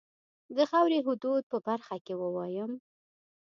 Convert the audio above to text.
د خاوري حدودو په برخه کې ووایم.